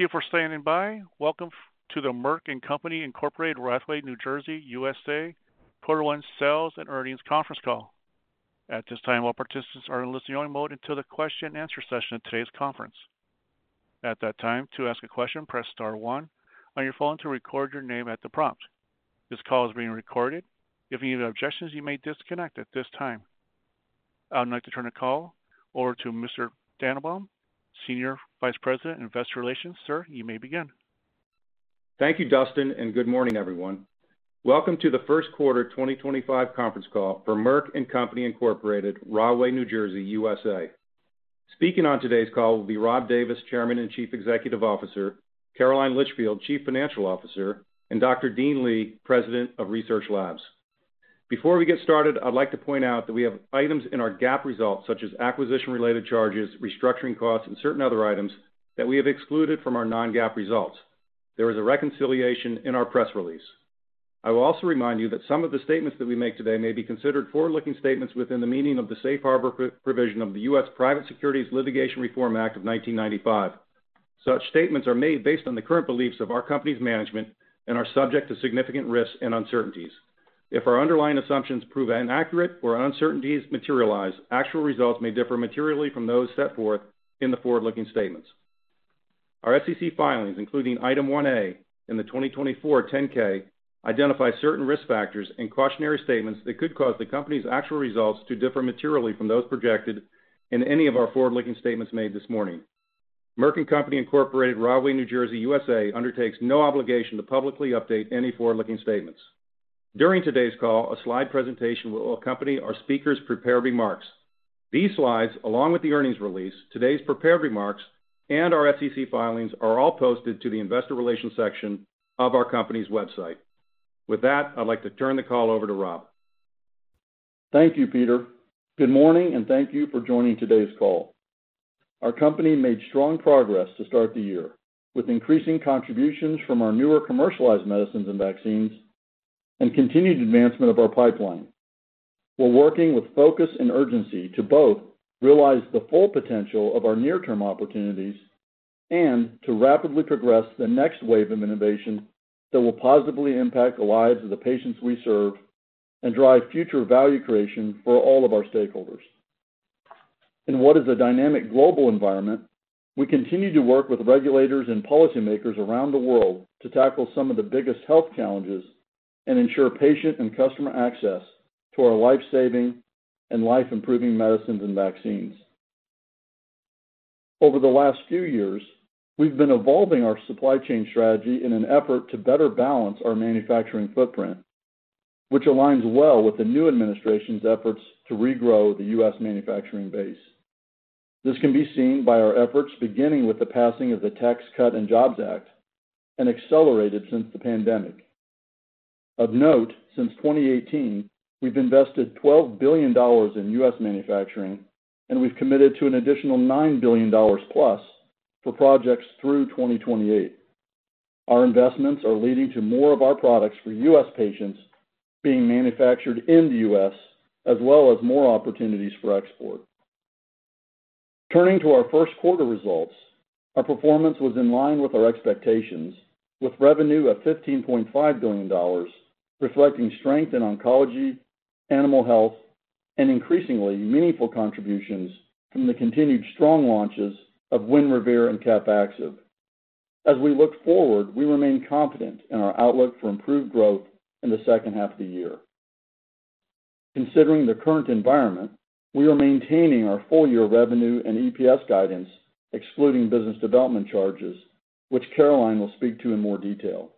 Thank you for standing by. Welcome to the Merck & Co., Rahway, New Jersey, USA, quarter one sales and earnings conference call. At this time, all participants are in listen-only mode until the question-and-answer session of today's conference. At that time, to ask a question, press star one on your phone to record your name at the prompt. This call is being recorded. If you have any objections, you may disconnect at this time. I would like to turn the call over to Mr. Dannenbaum, Senior Vice President, Investor Relations. Sir, you may begin. Thank you, Dustin, and good morning, everyone. Welcome to the first quarter 2025 conference call for Merck & Co., Rahway, New Jersey, USA. Speaking on today's call will be Rob Davis, Chairman and Chief Executive Officer; Caroline Litchfield, Chief Financial Officer; and Dr. Dean Li, President of Research Labs. Before we get started, I'd like to point out that we have items in our GAAP results, such as acquisition-related charges, restructuring costs, and certain other items that we have excluded from our non-GAAP results. There is a reconciliation in our press release. I will also remind you that some of the statements that we make today may be considered forward-looking statements within the meaning of the safe harbor provision of the U.S. Private Securities Litigation Reform Act of 1995. Such statements are made based on the current beliefs of our company's management and are subject to significant risks and uncertainties. If our underlying assumptions prove inaccurate or uncertainties materialize, actual results may differ materially from those set forth in the forward-looking statements. Our SEC filings, including item 1A in the 2024 10-K, identify certain risk factors and cautionary statements that could cause the company's actual results to differ materially from those projected in any of our forward-looking statements made this morning. Merck & Co., Rahway, New Jersey, USA, undertakes no obligation to publicly update any forward-looking statements. During today's call, a slide presentation will accompany our speaker's prepared remarks. These slides, along with the earnings release, today's prepared remarks, and our SEC filings, are all posted to the investor relations section of our company's website. With that, I'd like to turn the call over to Rob. Thank you, Peter. Good morning, and thank you for joining today's call. Our company made strong progress to start the year with increasing contributions from our newer commercialized medicines and vaccines and continued advancement of our pipeline. We're working with focus and urgency to both realize the full potential of our near-term opportunities and to rapidly progress the next wave of innovation that will positively impact the lives of the patients we serve and drive future value creation for all of our stakeholders. In what is a dynamic global environment, we continue to work with regulators and policymakers around the world to tackle some of the biggest health challenges and ensure patient and customer access to our life-saving and life-improving medicines and vaccines. Over the last few years, we've been evolving our supply chain strategy in an effort to better balance our manufacturing footprint, which aligns well with the new administration's efforts to regrow the U.S. manufacturing base. This can be seen by our efforts beginning with the passing of the Tax Cut and Jobs Act and accelerated since the pandemic. Of note, since 2018, we've invested $12 billion in U.S. manufacturing, and we've committed to an additional $9 billion plus for projects through 2028. Our investments are leading to more of our products for U.S. patients being manufactured in the U.S., as well as more opportunities for export. Turning to our first quarter results, our performance was in line with our expectations, with revenue of $15.5 billion reflecting strength in oncology, animal health, and increasingly meaningful contributions from the continued strong launches of Winrevair and Capvaxive. As we look forward, we remain confident in our outlook for improved growth in the second half of the year. Considering the current environment, we are maintaining our full-year revenue and EPS guidance, excluding business development charges, which Caroline will speak to in more detail.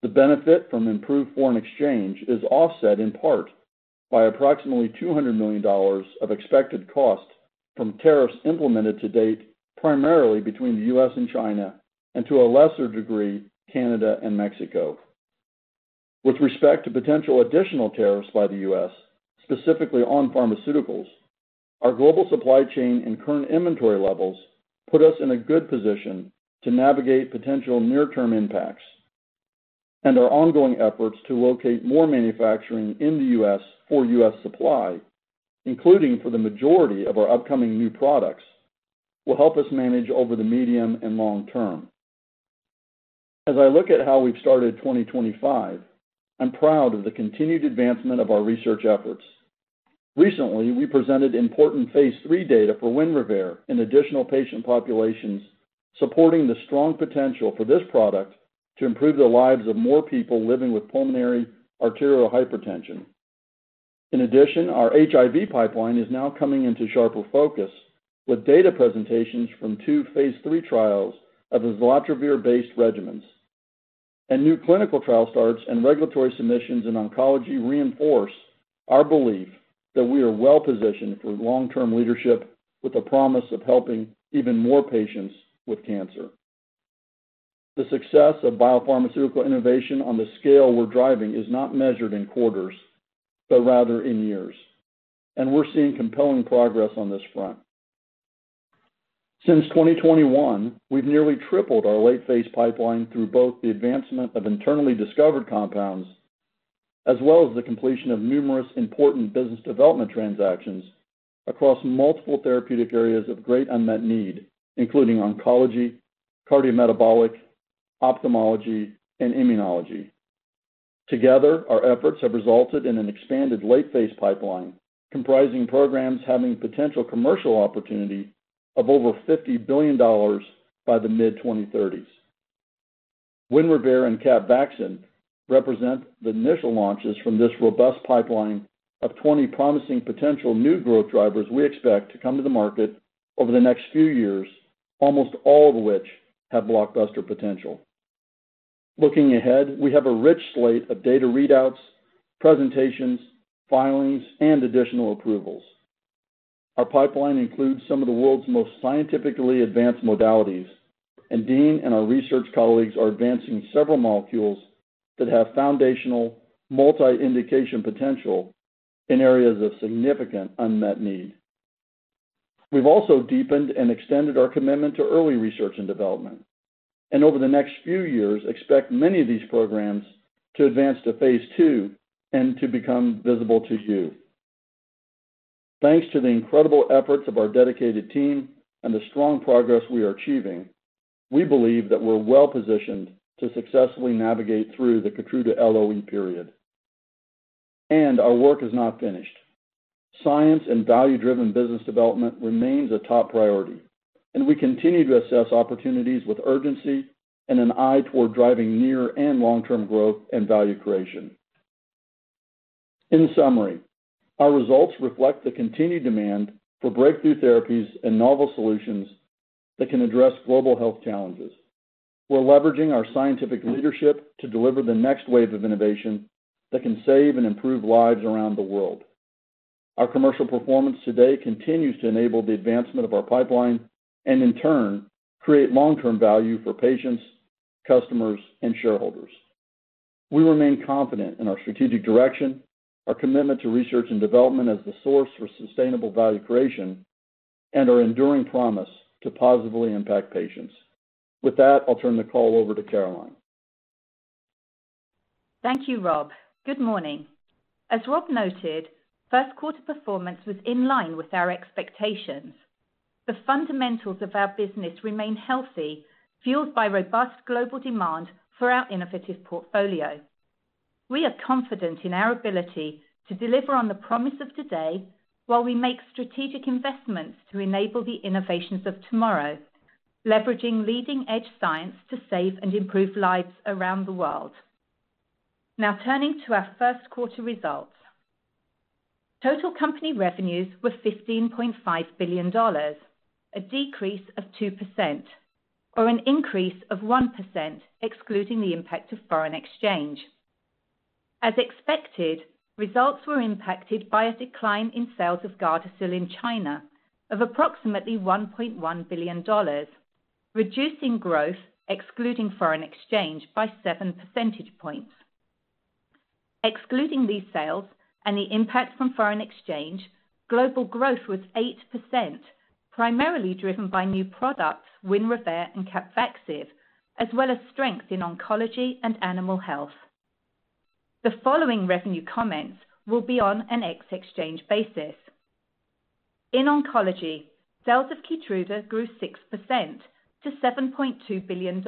The benefit from improved foreign exchange is offset in part by approximately $200 million of expected cost from tariffs implemented to date primarily between the U.S. and China, and to a lesser degree, Canada and Mexico. With respect to potential additional tariffs by the U.S., specifically on pharmaceuticals, our global supply chain and current inventory levels put us in a good position to navigate potential near-term impacts. Our ongoing efforts to locate more manufacturing in the U.S. for U.S. supply, including for the majority of our upcoming new products, will help us manage over the medium and long term. As I look at how we've started 2025, I'm proud of the continued advancement of our research efforts. Recently, we presented important phase three data for Winrevair in additional patient populations supporting the strong potential for this product to improve the lives of more people living with pulmonary arterial hypertension. In addition, our HIV pipeline is now coming into sharper focus with data presentations from two phase three trials of the Islatravir-based regimens. New clinical trial starts and regulatory submissions in oncology reinforce our belief that we are well positioned for long-term leadership with the promise of helping even more patients with cancer. The success of biopharmaceutical innovation on the scale we're driving is not measured in quarters, but rather in years. We're seeing compelling progress on this front. Since 2021, we've nearly tripled our late-phase pipeline through both the advancement of internally discovered compounds as well as the completion of numerous important business development transactions across multiple therapeutic areas of great unmet need, including oncology, cardiometabolic, ophthalmology, and immunology. Together, our efforts have resulted in an expanded late-phase pipeline comprising programs having potential commercial opportunity of over $50 billion by the mid-2030s. Winrevair and Capvaxive represent the initial launches from this robust pipeline of 20 promising potential new growth drivers we expect to come to the market over the next few years, almost all of which have blockbuster potential. Looking ahead, we have a rich slate of data readouts, presentations, filings, and additional approvals. Our pipeline includes some of the world's most scientifically advanced modalities, and Dean and our research colleagues are advancing several molecules that have foundational multi-indication potential in areas of significant unmet need. We've also deepened and extended our commitment to early research and development, and over the next few years, expect many of these programs to advance to phase two and to become visible to you. Thanks to the incredible efforts of our dedicated team and the strong progress we are achieving, we believe that we're well positioned to successfully navigate through the Keytruda-LOE period. Our work is not finished. Science and value-driven business development remains a top priority, and we continue to assess opportunities with urgency and an eye toward driving near and long-term growth and value creation. In summary, our results reflect the continued demand for breakthrough therapies and novel solutions that can address global health challenges. We're leveraging our scientific leadership to deliver the next wave of innovation that can save and improve lives around the world. Our commercial performance today continues to enable the advancement of our pipeline and, in turn, create long-term value for patients, customers, and shareholders. We remain confident in our strategic direction, our commitment to research and development as the source for sustainable value creation, and our enduring promise to positively impact patients. With that, I'll turn the call over to Caroline. Thank you, Rob. Good morning. As Rob noted, first quarter performance was in line with our expectations. The fundamentals of our business remain healthy, fueled by robust global demand for our innovative portfolio. We are confident in our ability to deliver on the promise of today while we make strategic investments to enable the innovations of tomorrow, leveraging leading-edge science to save and improve lives around the world. Now, turning to our first quarter results. Total company revenues were $15.5 billion, a decrease of 2%, or an increase of 1% excluding the impact of foreign exchange. As expected, results were impacted by a decline in sales of Gardasil in China of approximately $1.1 billion, reducing growth excluding foreign exchange by 7 percentage points. Excluding these sales and the impact from foreign exchange, global growth was 8%, primarily driven by new products, Winrevair and Capvaxive, as well as strength in oncology and animal health. The following revenue comments will be on an ex-exchange basis. In oncology, sales of Keytruda grew 6% to $7.2 billion.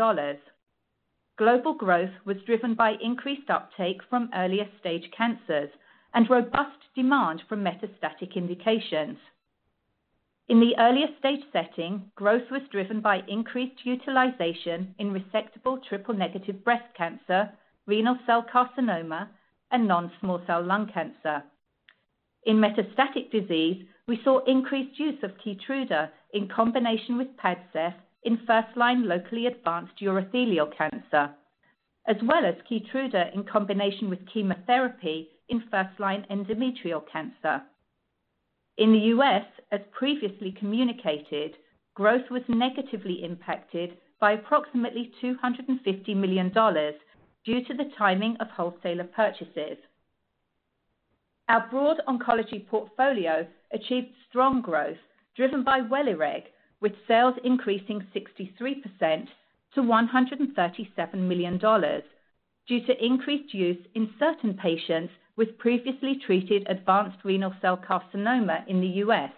Global growth was driven by increased uptake from earlier stage cancers and robust demand for metastatic indications. In the earlier stage setting, growth was driven by increased utilization in resectable triple-negative breast cancer, renal cell carcinoma, and non-small cell lung cancer. In metastatic disease, we saw increased use of Keytruda in combination with Padcev in first-line locally advanced urothelial cancer, as well as Keytruda in combination with chemotherapy in first-line endometrial cancer. In the U.S., as previously communicated, growth was negatively impacted by approximately $250 million due to the timing of wholesaler purchases. Our broad oncology portfolio achieved strong growth driven by Welireg, with sales increasing 63% to $137 million due to increased use in certain patients with previously treated advanced renal cell carcinoma in the U.S.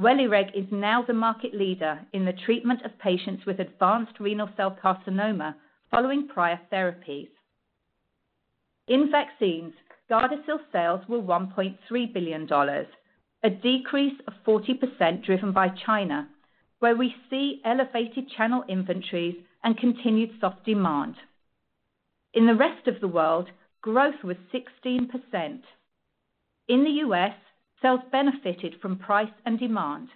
Welireg is now the market leader in the treatment of patients with advanced renal cell carcinoma following prior therapies. In vaccines, Gardasil sales were $1.3 billion, a decrease of 40% driven by China, where we see elevated channel inventories and continued soft demand. In the rest of the world, growth was 16%. In the U.S., sales benefited from price and demand.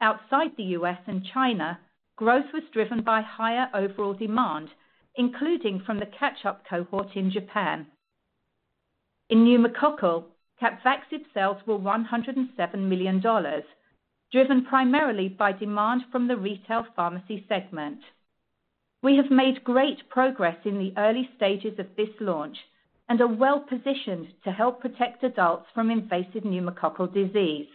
Outside the U.S. and China, growth was driven by higher overall demand, including from the catch-up cohort in Japan. In pneumococcal, Capvaxive sales were $107 million, driven primarily by demand from the retail pharmacy segment. We have made great progress in the early stages of this launch and are well positioned to help protect adults from invasive pneumococcal disease.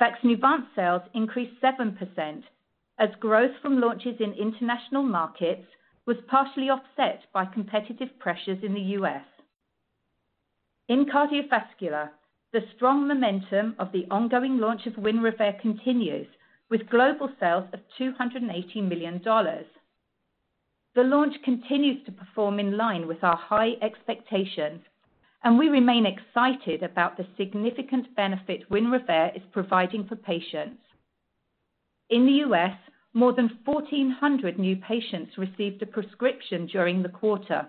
Vaxneuvance sales increased 7% as growth from launches in international markets was partially offset by competitive pressures in the U.S. In cardiovascular, the strong momentum of the ongoing launch of Winrevair continues with global sales of $280 million. The launch continues to perform in line with our high expectations, and we remain excited about the significant benefit Winrevair is providing for patients. In the U.S., more than 1,400 new patients received a prescription during the quarter.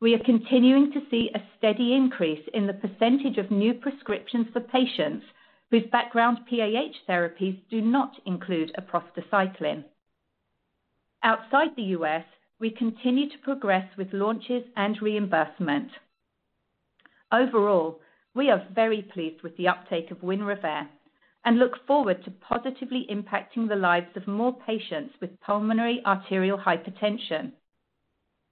We are continuing to see a steady increase in the percentage of new prescriptions for patients whose background PAH therapies do not include a prostacycline. Outside the U.S., we continue to progress with launches and reimbursement. Overall, we are very pleased with the uptake of Winrevair and look forward to positively impacting the lives of more patients with pulmonary arterial hypertension.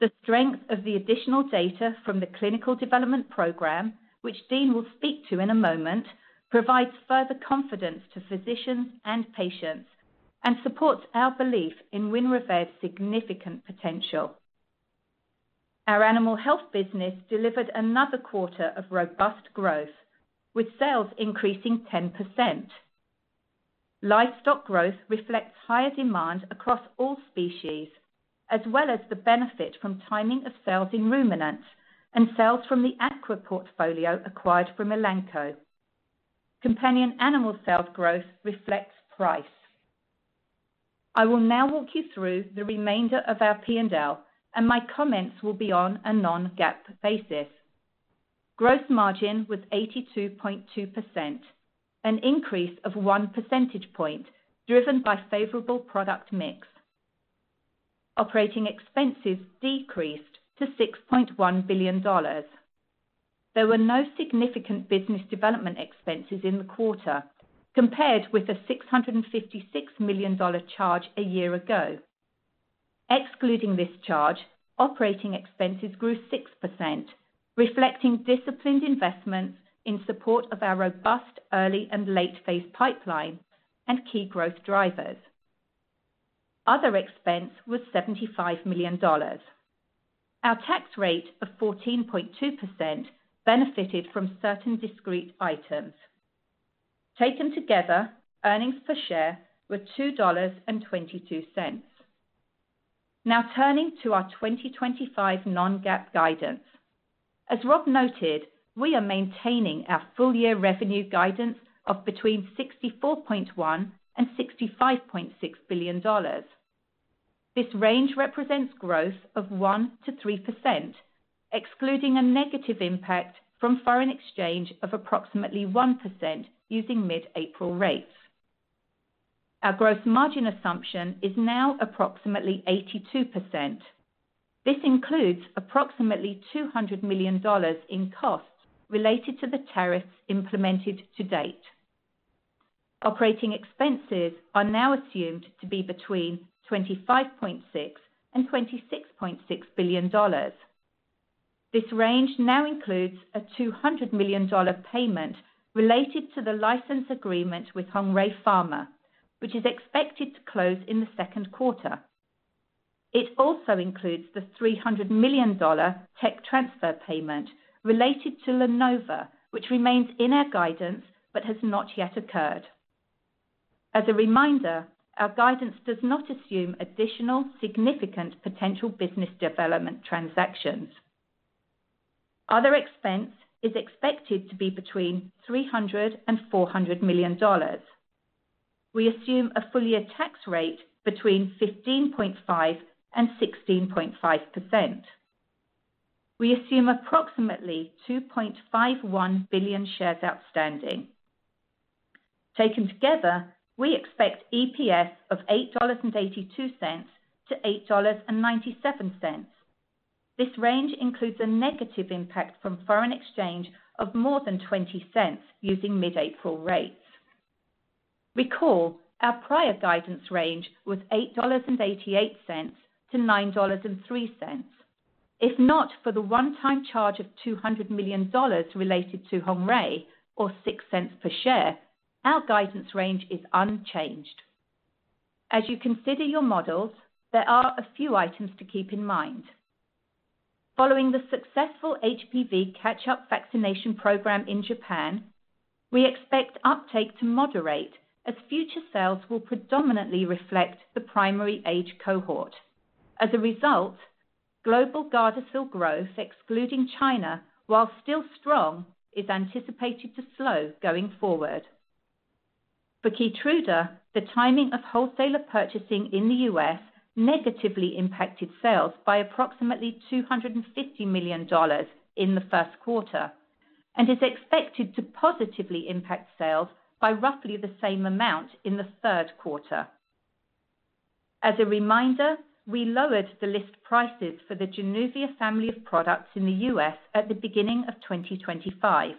The strength of the additional data from the clinical development program, which Dean will speak to in a moment, provides further confidence to physicians and patients and supports our belief in Winrevair's significant potential. Our animal health business delivered another quarter of robust growth, with sales increasing 10%. Livestock growth reflects higher demand across all species, as well as the benefit from timing of sales in ruminants and sales from the Aqua portfolio acquired from Elanco. Companion animal sales growth reflects price. I will now walk you through the remainder of our P&L, and my comments will be on a non-GAAP basis. Gross margin was 82.2%, an increase of 1 percentage point driven by favorable product mix. Operating expenses decreased to $6.1 billion. There were no significant business development expenses in the quarter compared with a $656 million charge a year ago. Excluding this charge, operating expenses grew 6%, reflecting disciplined investments in support of our robust early and late-phase pipeline and key growth drivers. Other expense was $75 million. Our tax rate of 14.2% benefited from certain discrete items. Taken together, earnings per share were $2.22. Now, turning to our 2025 non-GAAP guidance. As Rob noted, we are maintaining our full-year revenue guidance of between $64.1 and $65.6 billion. This range represents growth of 1%-3%, excluding a negative impact from foreign exchange of approximately 1% using mid-April rates. Our gross margin assumption is now approximately 82%. This includes approximately $200 million in costs related to the tariffs implemented to date. Operating expenses are now assumed to be between $25.6 and $26.6 billion. This range now includes a $200 million payment related to the license agreement with Hungary Pharma, which is expected to close in the second quarter. It also includes the $300 million tech transfer payment related to LaNova, which remains in our guidance but has not yet occurred. As a reminder, our guidance does not assume additional significant potential business development transactions. Other expense is expected to be between $300 million and $400 million. We assume a full-year tax rate between 15.5% and 16.5%. We assume approximately 2.51 billion shares outstanding. Taken together, we expect EPS of $8.82-$8.97. This range includes a negative impact from foreign exchange of more than $0.20 using mid-April rates. Recall our prior guidance range was $8.88-$9.03. If not for the one-time charge of $200 million related to Hungary or $0.06 per share, our guidance range is unchanged. As you consider your models, there are a few items to keep in mind. Following the successful HPV catch-up vaccination program in Japan, we expect uptake to moderate as future sales will predominantly reflect the primary age cohort. As a result, global Gardasil growth, excluding China while still strong, is anticipated to slow going forward. For Keytruda, the timing of wholesaler purchasing in the U.S. negatively impacted sales by approximately $250 million in the first quarter and is expected to positively impact sales by roughly the same amount in the third quarter. As a reminder, we lowered the list prices for the Januvia family of products in the U.S. at the beginning of 2025.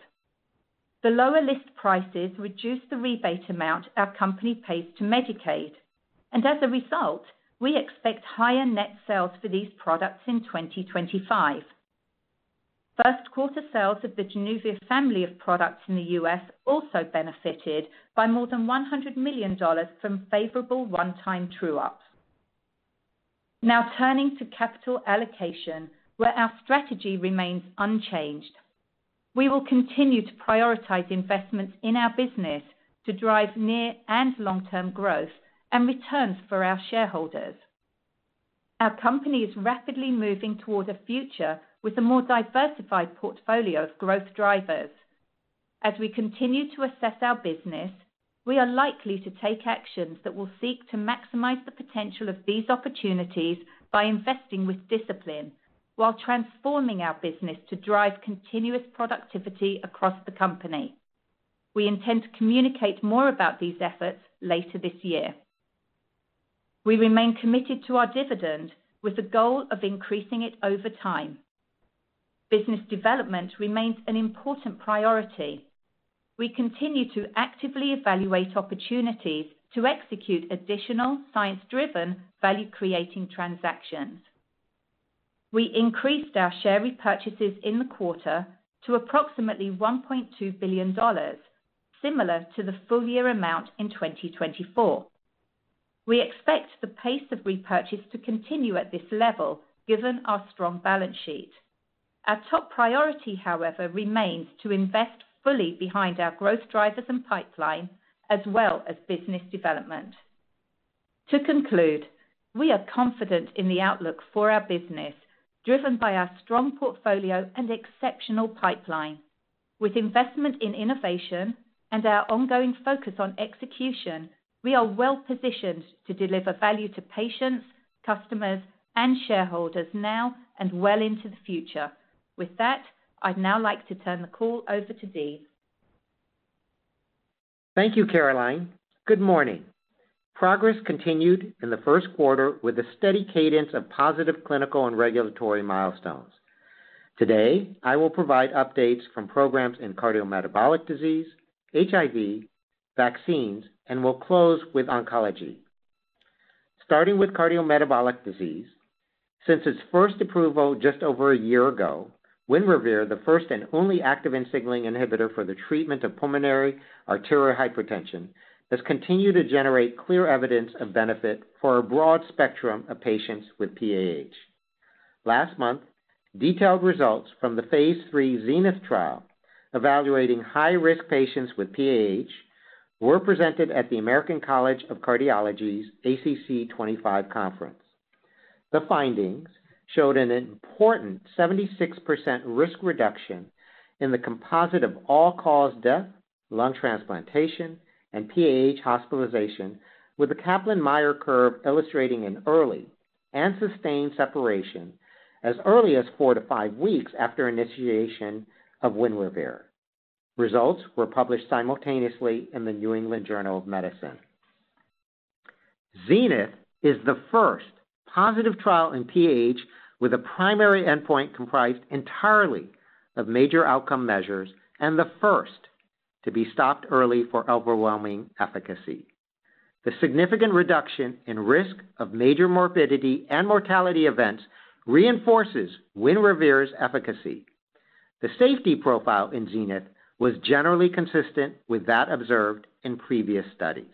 The lower list prices reduced the rebate amount our company pays to Medicaid, and as a result, we expect higher net sales for these products in 2025. First quarter sales of the Januvia family of products in the U.S. also benefited by more than $100 million from favorable one-time true-ups. Now, turning to capital allocation, where our strategy remains unchanged. We will continue to prioritize investments in our business to drive near and long-term growth and returns for our shareholders. Our company is rapidly moving toward a future with a more diversified portfolio of growth drivers. As we continue to assess our business, we are likely to take actions that will seek to maximize the potential of these opportunities by investing with discipline while transforming our business to drive continuous productivity across the company. We intend to communicate more about these efforts later this year. We remain committed to our dividend with the goal of increasing it over time. Business development remains an important priority. We continue to actively evaluate opportunities to execute additional science-driven value-creating transactions. We increased our share repurchases in the quarter to approximately $1.2 billion, similar to the full-year amount in 2024. We expect the pace of repurchase to continue at this level given our strong balance sheet. Our top priority, however, remains to invest fully behind our growth drivers and pipeline, as well as business development. To conclude, we are confident in the outlook for our business, driven by our strong portfolio and exceptional pipeline. With investment in innovation and our ongoing focus on execution, we are well positioned to deliver value to patients, customers, and shareholders now and well into the future. With that, I'd now like to turn the call over to Dean. Thank you, Caroline. Good morning. Progress continued in the first quarter with a steady cadence of positive clinical and regulatory milestones. Today, I will provide updates from programs in cardiometabolic disease, HIV, vaccines, and we'll close with oncology. Starting with cardiometabolic disease, since its first approval just over a year ago, Winrevair, the first and only active INH inhibitor for the treatment of pulmonary arterial hypertension, has continued to generate clear evidence of benefit for a broad spectrum of patients with PAH. Last month, detailed results from the phase III Zenith trial evaluating high-risk patients with PAH were presented at the American College of Cardiology's ACC25 conference. The findings showed an important 76% risk reduction in the composite of all-cause death, lung transplantation, and PAH hospitalization, with the Kaplan-Meier curve illustrating an early and sustained separation as early as four to five weeks after initiation of Winrevair. Results were published simultaneously in the New England Journal of Medicine. Zenith is the first positive trial in pulmonary arterial hypertension with a primary endpoint comprised entirely of major outcome measures and the first to be stopped early for overwhelming efficacy. The significant reduction in risk of major morbidity and mortality events reinforces Winrevair's efficacy. The safety profile in Zenith was generally consistent with that observed in previous studies.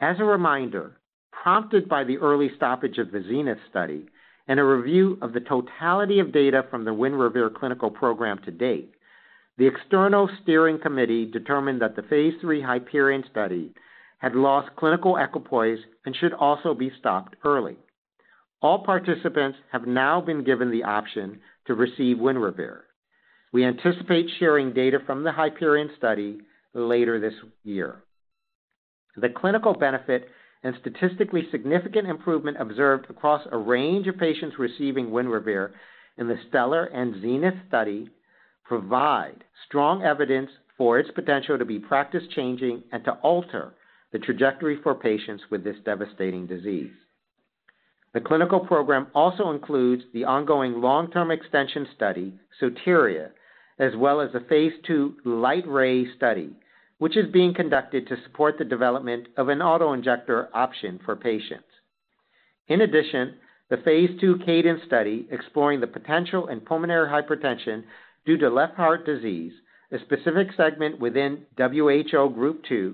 As a reminder, prompted by the early stoppage of the Zenith study and a review of the totality of data from the Winrevair clinical program to date, the external steering committee determined that the phase III Hyperion study had lost clinical equipoise and should also be stopped early. All participants have now been given the option to receive Winrevair. We anticipate sharing data from the Hyperion study later this year. The clinical benefit and statistically significant improvement observed across a range of patients receiving Winrevair in the Stellar and Zenith study provide strong evidence for its potential to be practice-changing and to alter the trajectory for patients with this devastating disease. The clinical program also includes the ongoing long-term extension study, Soteria, as well as a phase II LightRay study, which is being conducted to support the development of an autoinjector option for patients. In addition, the phase II Cadence study exploring the potential in pulmonary hypertension due to left heart disease, a specific segment within WHO Group II,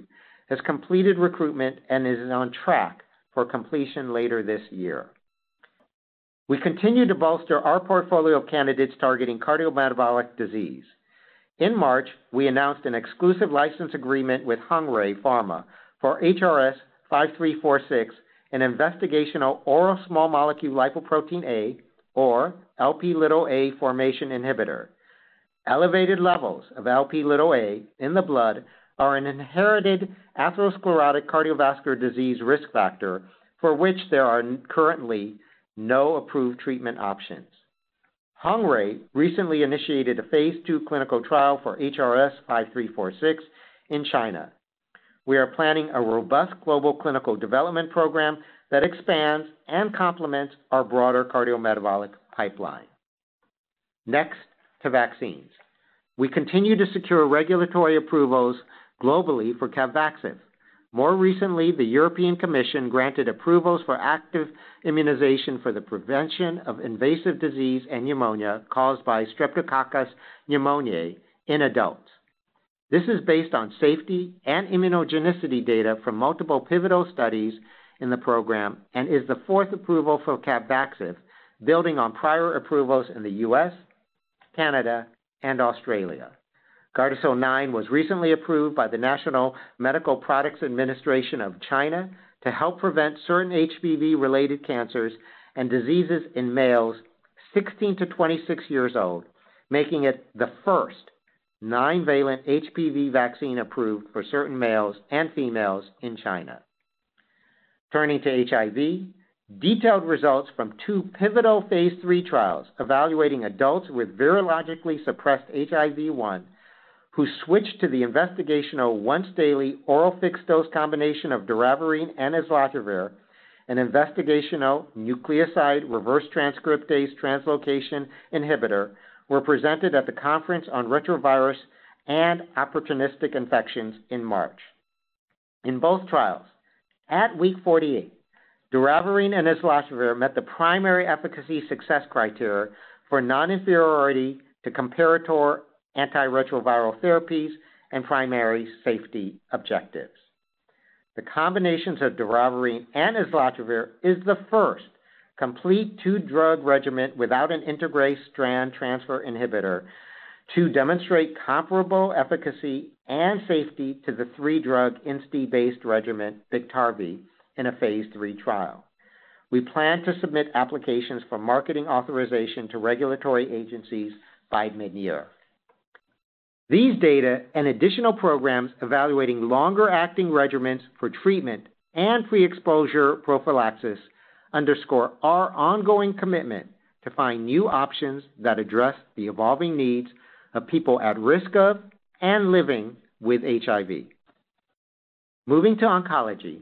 has completed recruitment and is on track for completion later this year. We continue to bolster our portfolio of candidates targeting cardiometabolic disease. In March, we announced an exclusive license agreement with Hanmi Pharma for HRS5346, an investigational oral small molecule lipoprotein(a), or Lp(a), formation inhibitor. Elevated levels of Lp(a) in the blood are an inherited atherosclerotic cardiovascular disease risk factor for which there are currently no approved treatment options. Hungary recently initiated a phase II clinical trial for HRS5346 in China. We are planning a robust global clinical development program that expands and complements our broader cardiometabolic pipeline. Next, to vaccines. We continue to secure regulatory approvals globally for Capvaxive. More recently, the European Commission granted approvals for active immunization for the prevention of invasive disease and pneumonia caused by Streptococcus pneumoniae in adults. This is based on safety and immunogenicity data from multiple pivotal studies in the program and is the fourth approval for Capvaxive, building on prior approvals in the U.S., Canada, and Australia. Gardasil 9 was recently approved by the National Medical Products Administration of China to help prevent certain HPV-related cancers and diseases in males 16 to 26 years old, making it the first nonavalent HPV vaccine approved for certain males and females in China. Turning to HIV, detailed results from two pivotal phase III trials evaluating adults with virologically suppressed HIV-1 who switched to the investigational once-daily oral fixed-dose combination of Doravirine and Islatravir, an investigational nucleoside reverse transcriptase translocation inhibitor, were presented at the Conference on Retrovirus and Opportunistic Infections in March. In both trials, at week 48, Doravirine and Islatravir met the primary efficacy success criteria for non-inferiority to comparator antiretroviral therapies and primary safety objectives. The combinations of Doravirine and Islatravir are the first complete two-drug regimen without an integrase strand transfer inhibitor to demonstrate comparable efficacy and safety to the three-drug INSTI-based regimen Biktarvy in a phase III trial. We plan to submit applications for marketing authorization to regulatory agencies by mid-year. These data and additional programs evaluating longer-acting regimens for treatment and pre-exposure prophylaxis underscore our ongoing commitment to find new options that address the evolving needs of people at risk of and living with HIV. Moving to oncology,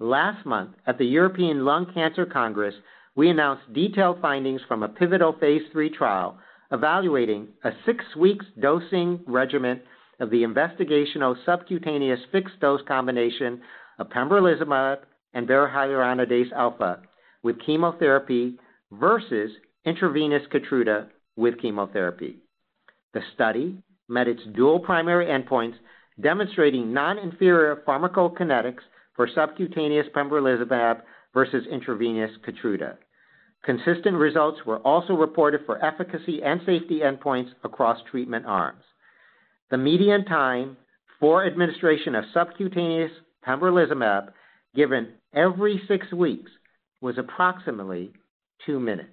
last month at the European Lung Cancer Congress, we announced detailed findings from a pivotal phase III trial evaluating a six-week dosing regimen of the investigational subcutaneous fixed-dose combination of Keytruda and hyaluronidase alpha with chemotherapy versus intravenous Keytruda with chemotherapy. The study met its dual primary endpoints demonstrating non-inferior pharmacokinetics for subcutaneous Keytruda versus intravenous Keytruda. Consistent results were also reported for efficacy and safety endpoints across treatment arms. The median time for administration of subcutaneous Pembrolizumab given every six weeks was approximately two minutes,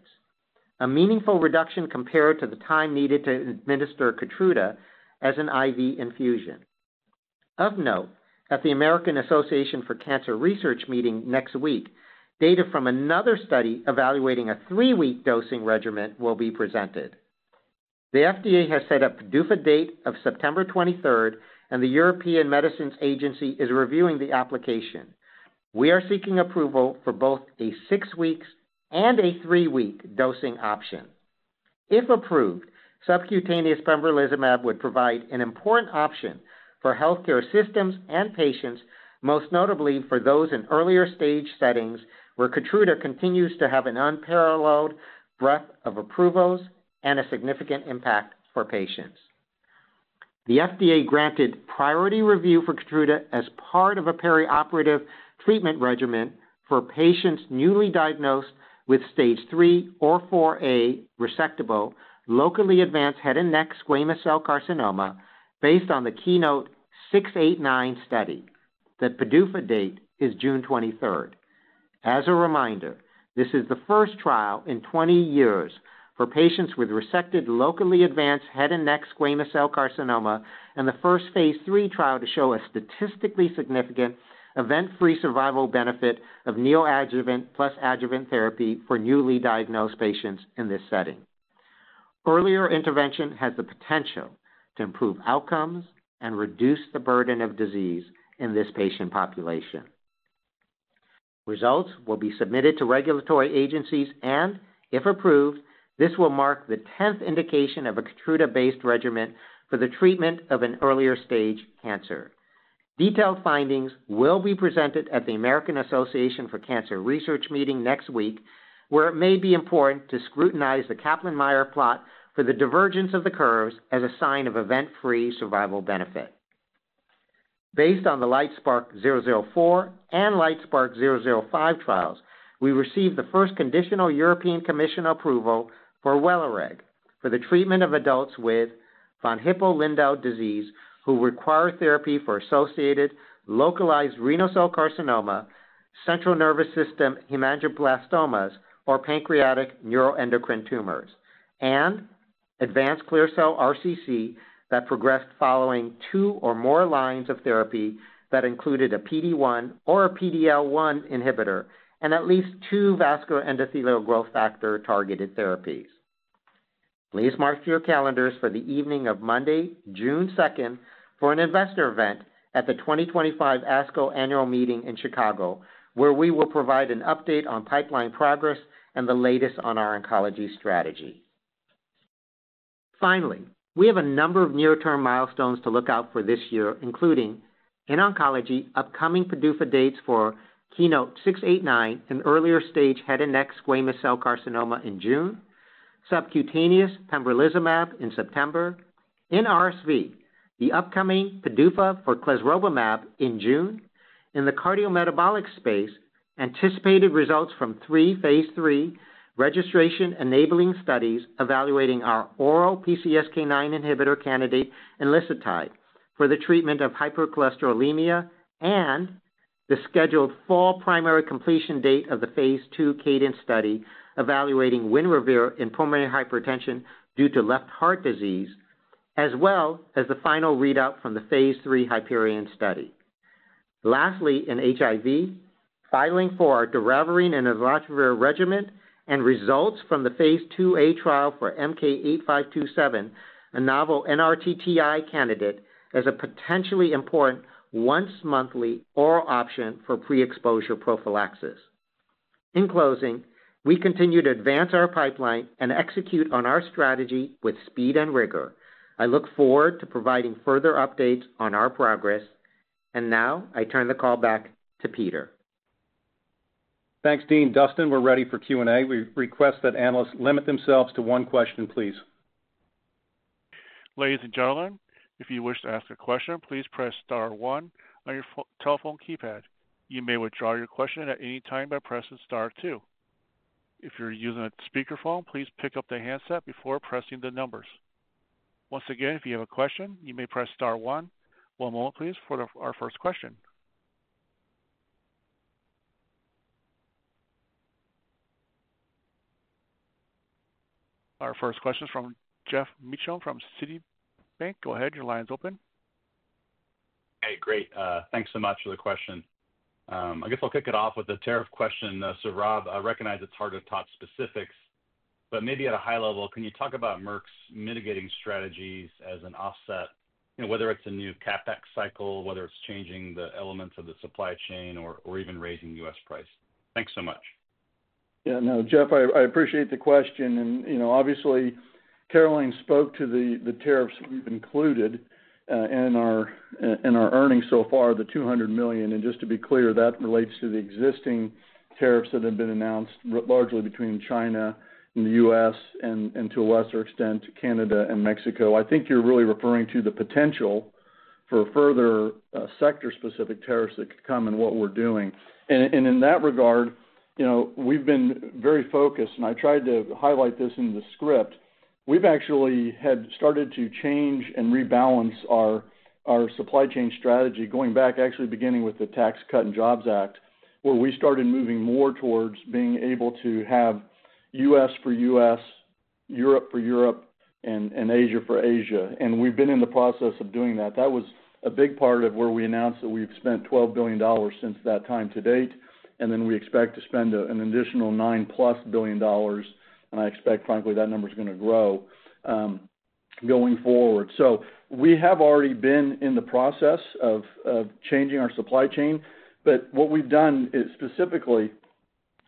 a meaningful reduction compared to the time needed to administer Keytruda as an IV infusion. Of note, at the American Association for Cancer Research meeting next week, data from another study evaluating a three-week dosing regimen will be presented. The FDA has set a due date of September 23, and the European Medicines Agency is reviewing the application. We are seeking approval for both a six-week and a three-week dosing option. If approved, subcutaneous Pembrolizumab would provide an important option for healthcare systems and patients, most notably for those in earlier stage settings where Keytruda continues to have an unparalleled breadth of approvals and a significant impact for patients. The FDA granted priority review for Keytruda as part of a perioperative treatment regimen for patients newly diagnosed with stage III or IVA resectable locally advanced head and neck squamous cell carcinoma based on the Keynote 689 study. The PDUFA date is June 23rd. As a reminder, this is the first trial in 20 years for patients with resected locally advanced head and neck squamous cell carcinoma and the first phase III trial to show a statistically significant event-free survival benefit of neoadjuvant plus adjuvant therapy for newly diagnosed patients in this setting. Earlier intervention has the potential to improve outcomes and reduce the burden of disease in this patient population. Results will be submitted to regulatory agencies, and if approved, this will mark the 10th indication of a Keytruda-based regimen for the treatment of an earlier stage cancer. Detailed findings will be presented at the American Association for Cancer Research meeting next week, where it may be important to scrutinize the Kaplan-Meier plot for the divergence of the curves as a sign of event-free survival benefit. Based on the LIGHTSPARK-004 and LIGHTSPARK-005 trials, we received the first conditional European Commission approval for Welireg for the treatment of adults with von Hippel-Lindau disease who require therapy for associated localized renal cell carcinoma, central nervous system hemangioblastomas, or pancreatic neuroendocrine tumors, and advanced clear cell RCC that progressed following two or more lines of therapy that included a PD-1 or a PD-L1 inhibitor and at least two vascular endothelial growth factor targeted therapies. Please mark your calendars for the evening of Monday, June 2, for an investor event at the 2025 ASCO Annual Meeting in Chicago, where we will provide an update on pipeline progress and the latest on our oncology strategy. Finally, we have a number of near-term milestones to look out for this year, including in oncology, upcoming PDUFA dates for Keynote 689 in earlier stage head and neck squamous cell carcinoma in June, subcutaneous pembrolizumab in September, in RSV, the upcoming PDUFA for Clesrovimab in June, in the cardiometabolic space, anticipated results from three phase III registration enabling studies evaluating our oral PCSK9 inhibitor candidate Enlysitide for the treatment of hypercholesterolemia and the scheduled fall primary completion date of the phase II Cadence study evaluating Winrevair in pulmonary hypertension due to left heart disease, as well as the final readout from the phase III Hyperion study. Lastly, in HIV, filing for our Doravirine and Islatravir regimen and results from the phase IIA trial for MK-8527, a novel NRTTI candidate as a potentially important once-monthly oral option for pre-exposure prophylaxis. In closing, we continue to advance our pipeline and execute on our strategy with speed and rigor. I look forward to providing further updates on our progress, and now I turn the call back to Peter. Thanks, Dean. Dustin, we're ready for Q&A. We request that analysts limit themselves to one question, please. Ladies and gentlemen, if you wish to ask a question, please press star one on your telephone keypad. You may withdraw your question at any time by pressing star two. If you're using a speakerphone, please pick up the handset before pressing the numbers. Once again, if you have a question, you may press star one. One moment, please, for our first question. Our first question is from Jeff Meacham from Citibank. Go ahead. Your line's open. Hey, great. Thanks so much for the question. I guess I'll kick it off with a terrific question. Rob, I recognize it's hard to talk specifics, but maybe at a high level, can you talk about Merck's mitigating strategies as an offset, whether it's a new CapEx cycle, whether it's changing the elements of the supply chain, or even raising U.S. price? Thanks so much. Yeah, no, Jeff, I appreciate the question. Obviously, Caroline spoke to the tariffs we've included in our earnings so far, the $200 million. Just to be clear, that relates to the existing tariffs that have been announced largely between China and the U.S. and to a lesser extent, Canada and Mexico. I think you're really referring to the potential for further sector-specific tariffs that could come in what we're doing. In that regard, we've been very focused, and I tried to highlight this in the script. We've actually started to change and rebalance our supply chain strategy going back, actually beginning with the Tax Cut and Jobs Act, where we started moving more towards being able to have U.S. for U.S., Europe for Europe, and Asia for Asia. We've been in the process of doing that. That was a big part of where we announced that we've spent $12 billion since that time to date, and we expect to spend an additional $9 billion-plus, and I expect, frankly, that number is going to grow going forward. We have already been in the process of changing our supply chain, but what we've done specifically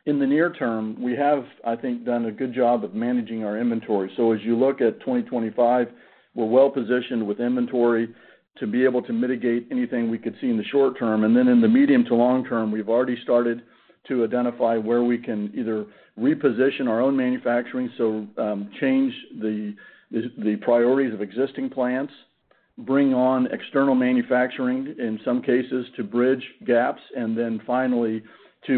in the near term, we have, I think, done a good job of managing our inventory. As you look at 2025, we're well positioned with inventory to be able to mitigate anything we could see in the short term. In the medium to long term, we've already started to identify where we can either reposition our own manufacturing, change the priorities of existing plants, bring on external manufacturing in some cases to bridge gaps, and finally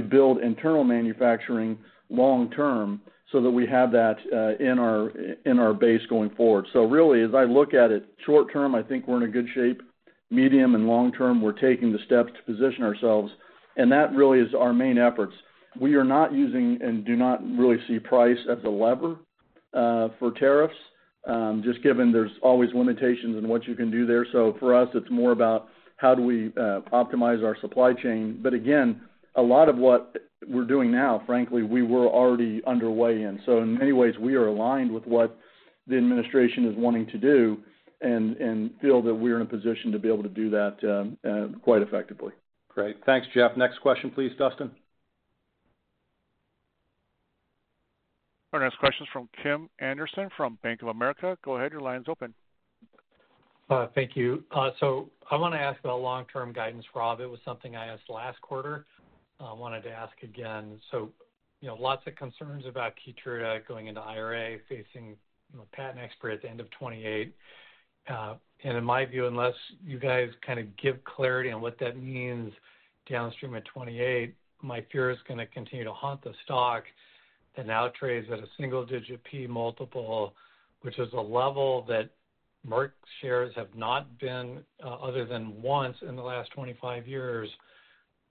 build internal manufacturing long term so that we have that in our base going forward. Really, as I look at it short term, I think we're in good shape. Medium and long term, we're taking the steps to position ourselves, and that really is our main efforts. We are not using and do not really see price as a lever for tariffs, just given there's always limitations in what you can do there. For us, it's more about how do we optimize our supply chain. Again, a lot of what we're doing now, frankly, we were already underway in. In many ways, we are aligned with what the administration is wanting to do and feel that we're in a position to be able to do that quite effectively. Great. Thanks, Jeff.Next question, please, Dustin. Our next question is from Kim Anderson from Bank of America. Go ahead. Your line's open. Thank you. I want to ask about long-term guidance, Rob. It was something I asked last quarter. I wanted to ask again. Lots of concerns about Keytruda going into IRA, facing a patent expiry at the end of 2028. In my view, unless you guys kind of give clarity on what that means downstream at 2028, my fear is going to continue to haunt the stock. The stock now trades at a single-digit P multiple, which is a level that Merck's shares have not been at other than once in the last 25 years,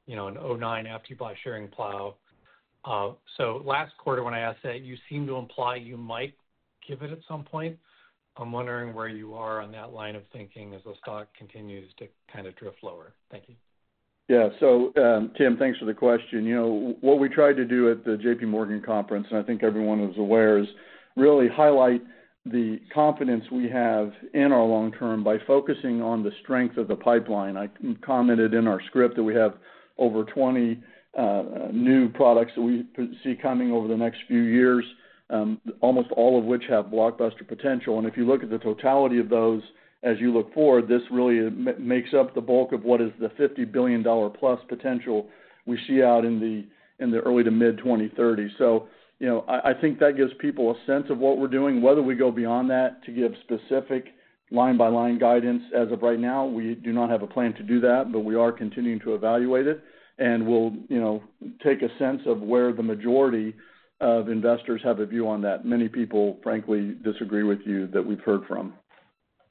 in 2009 after you bought Schering-Plough. Last quarter, when I asked that, you seemed to imply you might give it at some point. I'm wondering where you are on that line of thinking as the stock continues to kind of drift lower. Thank you. Yeah. Tim, thanks for the question. What we tried to do at the JPMorgan Conference, and I think everyone is aware, is really highlight the confidence we have in our long term by focusing on the strength of the pipeline. I commented in our script that we have over 20 new products that we see coming over the next few years, almost all of which have blockbuster potential. If you look at the totality of those as you look forward, this really makes up the bulk of what is the $50 billion plus potential we see out in the early to mid-2030s. I think that gives people a sense of what we're doing. Whether we go beyond that to give specific line-by-line guidance as of right now, we do not have a plan to do that, but we are continuing to evaluate it and will take a sense of where the majority of investors have a view on that. Many people, frankly, disagree with you that we've heard from.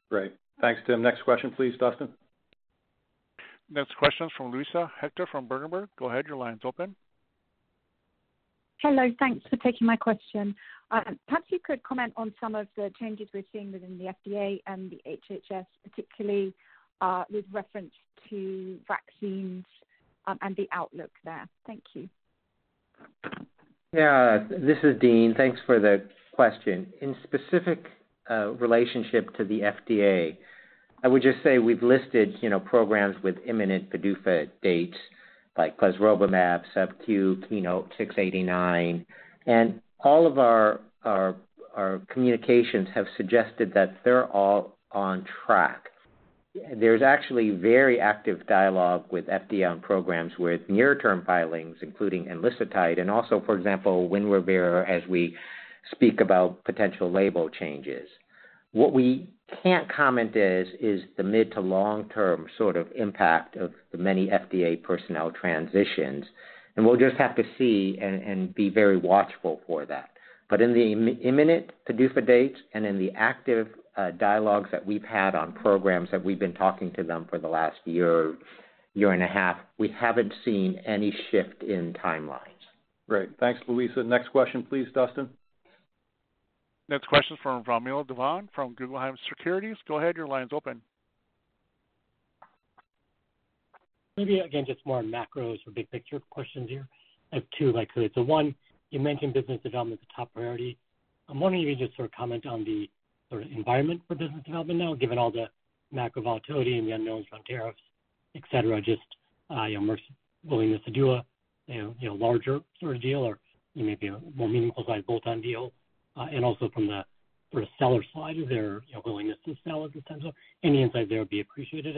Great. Thanks, Tim. Next question, please, Dustin. Next question is from Lisa Hector from Bergenberg. Go ahead. Your line's open. Hello. Thanks for taking my question. Perhaps you could comment on some of the changes we're seeing within the FDA and the HHS, particularly with reference to vaccines and the outlook there. Thank you. Yeah. This is Dean. Thanks for the question. In specific relationship to the FDA, I would just say we've listed programs with imminent PDUFA dates like Clesrovimab, SubQ, Keynote 689, and all of our communications have suggested that they're all on track. There's actually very active dialogue with FDA on programs with near-term filings, including Enlysitide and also, for example, Winrevair as we speak about potential label changes. What we can't comment is the mid to long-term sort of impact of the many FDA personnel transitions, and we'll just have to see and be very watchful for that. In the imminent PDUFA dates and in the active dialogues that we've had on programs that we've been talking to them for the last year, year and a half, we haven't seen any shift in timelines. Great. Thanks, Luisa. Next question, please, Dustin. Next question is from Romeo Devon from Guggenheim Securities. Go ahead. Your line's open. Maybe again, just more macros or big picture questions here of two likelihoods. One, you mentioned business development is a top priority. I'm wondering if you could just sort of comment on the sort of environment for business development now, given all the macro volatility and the unknowns around tariffs, et cetera, just Merck's willingness to do a larger sort of deal or maybe a more meaningful-sized bolt-on deal. Also from the sort of seller side of their willingness to sell at this time, any insight there would be appreciated.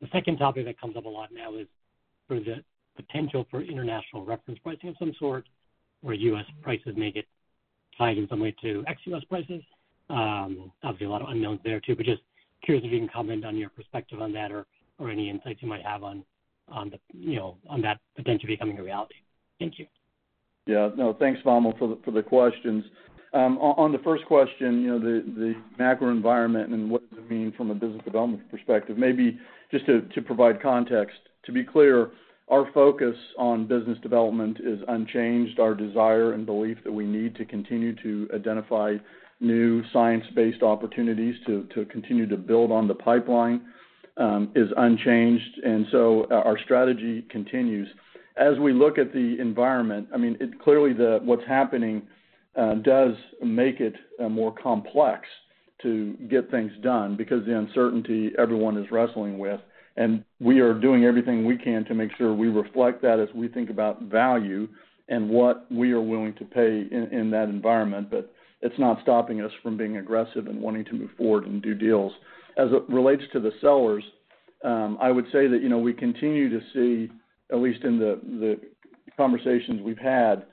The second topic that comes up a lot now is the potential for international reference pricing of some sort where U.S. prices may get tied in some way to ex-U.S. prices. Obviously, a lot of unknowns there too, but just curious if you can comment on your perspective on that or any insights you might have on that potentially becoming a reality. Thank you. Yeah. No, thanks, Valma, for the questions. On the first question, the macro environment and what does it mean from a business development perspective, maybe just to provide context. To be clear, our focus on business development is unchanged. Our desire and belief that we need to continue to identify new science-based opportunities to continue to build on the pipeline is unchanged. Our strategy continues. As we look at the environment, I mean, clearly what's happening does make it more complex to get things done because of the uncertainty everyone is wrestling with. We are doing everything we can to make sure we reflect that as we think about value and what we are willing to pay in that environment, but it's not stopping us from being aggressive and wanting to move forward and do deals. As it relates to the sellers, I would say that we continue to see, at least in the conversations we've had,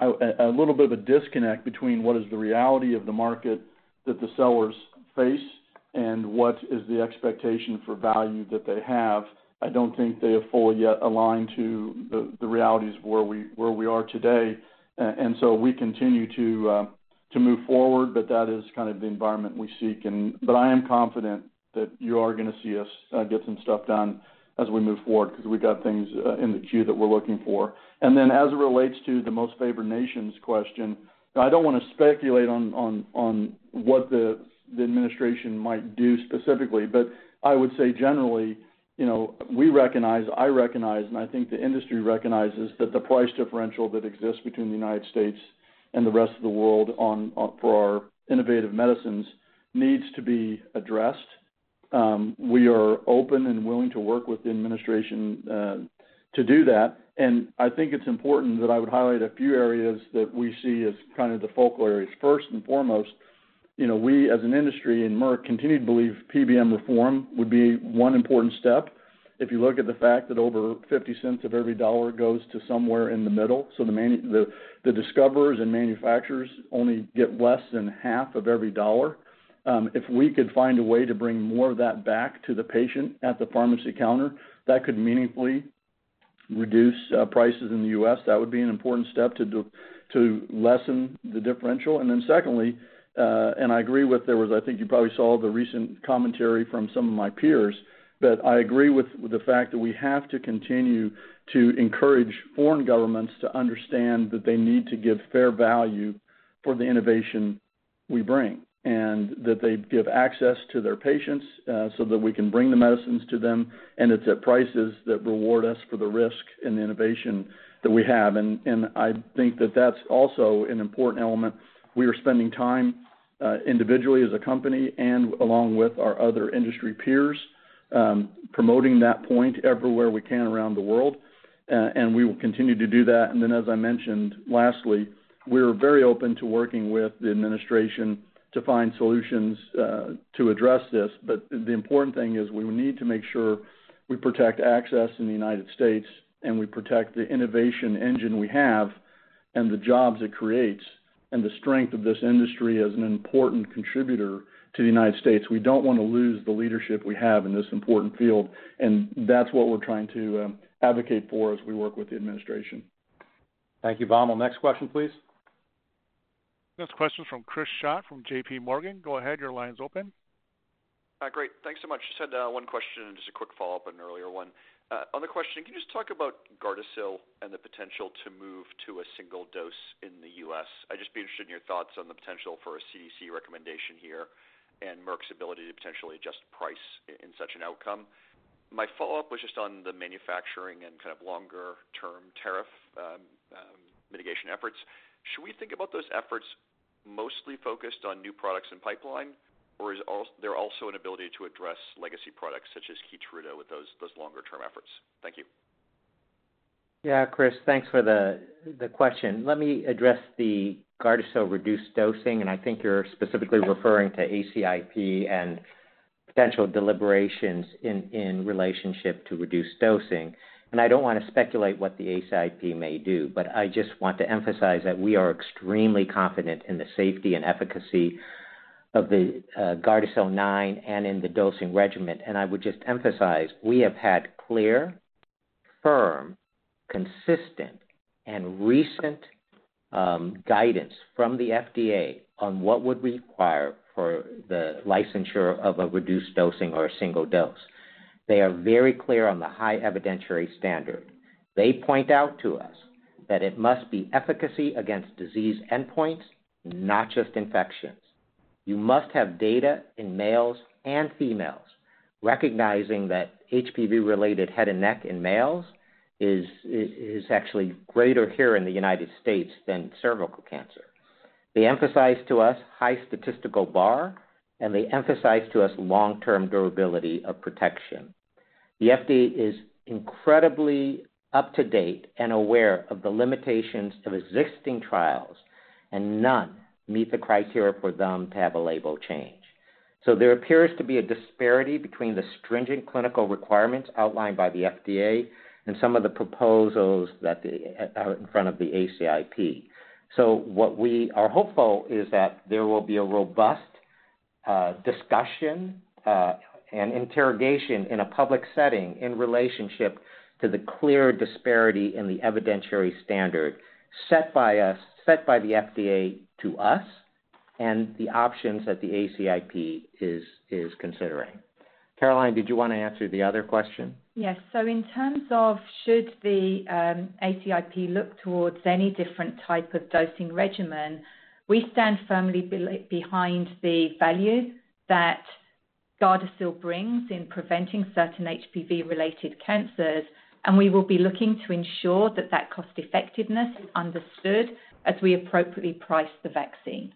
a little bit of a disconnect between what is the reality of the market that the sellers face and what is the expectation for value that they have. I don't think they have fully yet aligned to the realities where we are today. We continue to move forward, but that is kind of the environment we seek. I am confident that you are going to see us get some stuff done as we move forward because we've got things in the queue that we're looking for. As it relates to the most favored nations question, I don't want to speculate on what the administration might do specifically, but I would say generally, we recognize, I recognize, and I think the industry recognizes that the price differential that exists between the U.S. and the rest of the world for our innovative medicines needs to be addressed. We are open and willing to work with the administration to do that. I think it is important that I would highlight a few areas that we see as kind of the focal areas. First and foremost, we as an industry and Merck continue to believe PBM reform would be one important step. If you look at the fact that over 50% of every dollar goes to somewhere in the middle, so the discoverers and manufacturers only get less than half of every dollar. If we could find a way to bring more of that back to the patient at the pharmacy counter, that could meaningfully reduce prices in the U.S. That would be an important step to lessen the differential. Secondly, I agree with, there was, I think you probably saw the recent commentary from some of my peers, but I agree with the fact that we have to continue to encourage foreign governments to understand that they need to give fair value for the innovation we bring and that they give access to their patients so that we can bring the medicines to them, and it's at prices that reward us for the risk and the innovation that we have. I think that that's also an important element. We are spending time individually as a company and along with our other industry peers promoting that point everywhere we can around the world, and we will continue to do that. As I mentioned lastly, we are very open to working with the administration to find solutions to address this. The important thing is we need to make sure we protect access in the United States and we protect the innovation engine we have and the jobs it creates and the strength of this industry as an important contributor to the United States. We do not want to lose the leadership we have in this important field, and that is what we are trying to advocate for as we work with the administration. Thank you, Valma. Next question, please. Next question is from Chris Schott from JPMorgan. Go ahead. Your line is open. Great. Thanks so much. Just had one question and just a quick follow-up on an earlier one. On the question, can you just talk about Gardasil and the potential to move to a single dose in the U.S.? I'd just be interested in your thoughts on the potential for a CDC recommendation here and Merck's ability to potentially adjust price in such an outcome. My follow-up was just on the manufacturing and kind of longer-term tariff mitigation efforts. Should we think about those efforts mostly focused on new products and pipeline, or is there also an ability to address legacy products such as Keytruda with those longer-term efforts? Thank you. Yeah, Chris, thanks for the question. Let me address the Gardasil reduced dosing, and I think you're specifically referring to ACIP and potential deliberations in relationship to reduced dosing. I don't want to speculate what the ACIP may do, but I just want to emphasize that we are extremely confident in the safety and efficacy of the Gardasil 9 and in the dosing regimen. I would just emphasize we have had clear, firm, consistent, and recent guidance from the FDA on what would require for the licensure of a reduced dosing or a single dose. They are very clear on the high evidentiary standard. They point out to us that it must be efficacy against disease endpoints, not just infections. You must have data in males and females, recognizing that HPV-related head and neck in males is actually greater here in the U.S. than cervical cancer. They emphasize to us high statistical bar, and they emphasize to us long-term durability of protection. The FDA is incredibly up to date and aware of the limitations of existing trials, and none meet the criteria for them to have a label change. There appears to be a disparity between the stringent clinical requirements outlined by the FDA and some of the proposals that are in front of the ACIP. What we are hopeful is that there will be a robust discussion and interrogation in a public setting in relationship to the clear disparity in the evidentiary standard set by the FDA to us and the options that the ACIP is considering. Caroline, did you want to answer the other question? Yes. In terms of should the ACIP look towards any different type of dosing regimen, we stand firmly behind the value that Gardasil brings in preventing certain HPV-related cancers, and we will be looking to ensure that that cost-effectiveness is understood as we appropriately price the vaccine.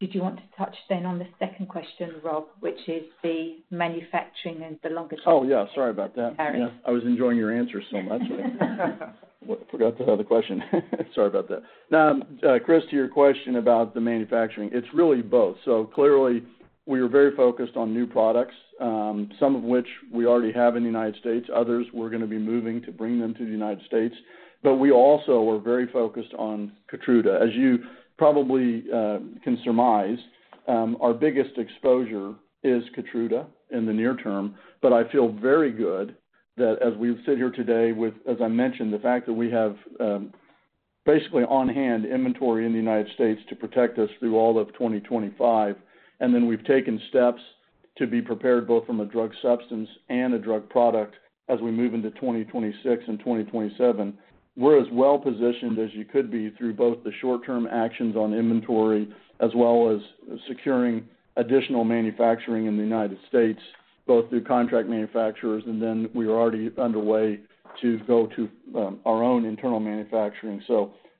Did you want to touch then on the second question, Rob, which is the manufacturing and the longer-term tariff? Oh, yeah. Sorry about that. I was enjoying your answer so much. I forgot to have the question. Sorry about that. Now, Chris, to your question about the manufacturing, it is really both. Clearly, we are very focused on new products, some of which we already have in the United States. Others, we are going to be moving to bring them to the United States. We also are very focused on Keytruda. As you probably can surmise, our biggest exposure is Keytruda in the near term, but I feel very good that as we sit here today with, as I mentioned, the fact that we have basically on hand inventory in the U.S. to protect us through all of 2025, and then we've taken steps to be prepared both from a drug substance and a drug product as we move into 2026 and 2027, we're as well positioned as you could be through both the short-term actions on inventory as well as securing additional manufacturing in the U.S., both through contract manufacturers, and then we are already underway to go to our own internal manufacturing.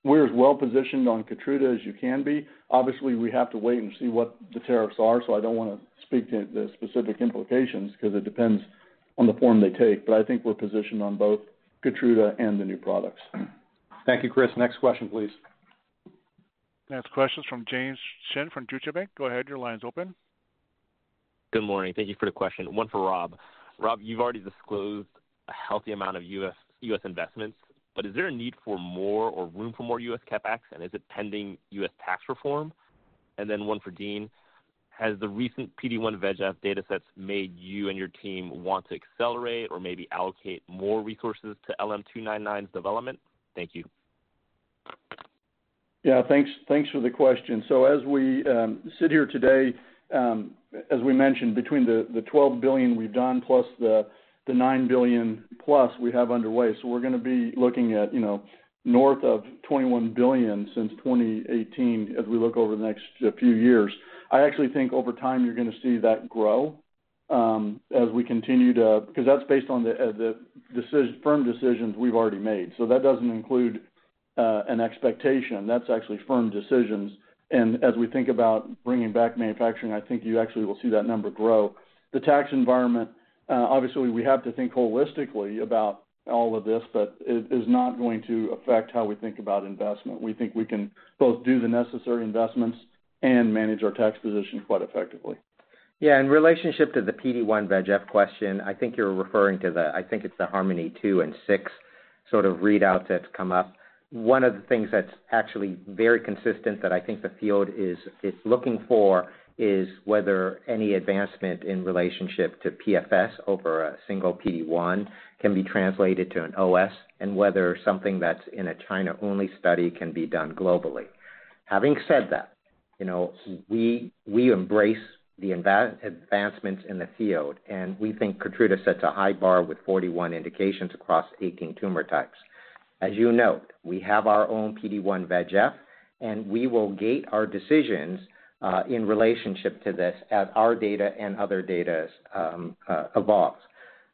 We are as well positioned on Keytruda as you can be. Obviously, we have to wait and see what the tariffs are, so I don't want to speak to the specific implications because it depends on the form they take, but I think we're positioned on both Keytruda and the new products. Thank you, Chris. Next question, please. Next question is from James Chen from Jujubank. Go ahead. Your line's open. Good morning. Thank you for the question. One for Rob. Rob, you've already disclosed a healthy amount of U.S. investments, but is there a need for more or room for more U.S. CapEx, and is it pending U.S. tax reform? And then one for Dean. Has the recent PD-1 VEGAS data sets made you and your team want to accelerate or maybe allocate more resources to LM299's development? Thank you. Yeah. Thanks for the question. As we sit here today, as we mentioned, between the $12 billion we've done plus the $9 billion plus we have underway, we're going to be looking at north of $21 billion since 2018 as we look over the next few years. I actually think over time you're going to see that grow as we continue to because that's based on the firm decisions we've already made. That does not include an expectation. That's actually firm decisions. As we think about bringing back manufacturing, I think you actually will see that number grow. The tax environment, obviously, we have to think holistically about all of this, but it is not going to affect how we think about investment. We think we can both do the necessary investments and manage our tax position quite effectively. Yeah. In relationship to the PD-1 VEGF question, I think you're referring to the, I think it's the Harmony 2 and 6 sort of readouts that have come up. One of the things that's actually very consistent that I think the field is looking for is whether any advancement in relationship to PFS over a single PD-1 can be translated to an OS and whether something that's in a China-only study can be done globally. Having said that, we embrace the advancements in the field, and we think Keytruda sets a high bar with 41 indications across 18 tumor types. As you note, we have our own PD-1 VEGF, and we will gate our decisions in relationship to this as our data and other data evolves.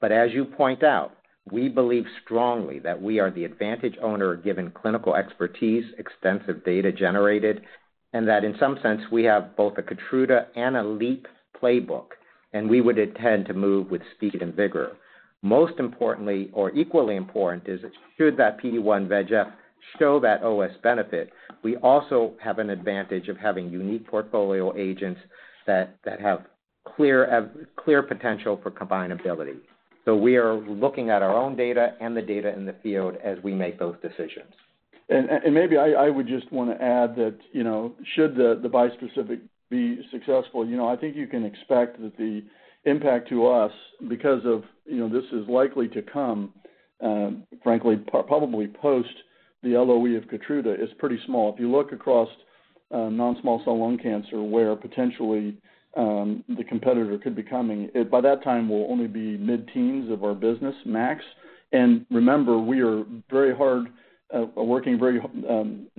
As you point out, we believe strongly that we are the advantage owner given clinical expertise, extensive data generated, and that in some sense, we have both a Keytruda and a LEEP playbook, and we would intend to move with speed and vigor. Most importantly, or equally important, is should that PD-1 VEGF show that OS benefit, we also have an advantage of having unique portfolio agents that have clear potential for combinability. We are looking at our own data and the data in the field as we make those decisions. Maybe I would just want to add that should the bispecific be successful, I think you can expect that the impact to us because of this is likely to come, frankly, probably post the LOE of Keytruda is pretty small. If you look across non-small cell lung cancer where potentially the competitor could be coming, by that time, we'll only be mid-teens of our business max. Remember, we are very hard working very